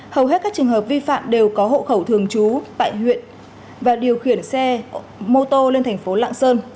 hầu hết các trường hợp vi phạm đều có hộ khẩu thường trú tại huyện và điều khiển xe mô tô lên thành phố lạng sơn